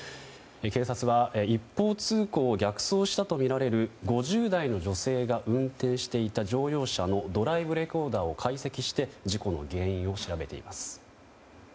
警察は一方通行を逆走したとみられる５０代の女性が運転していた乗用車のドライブレコーダーを解析して事故の原因を調べています。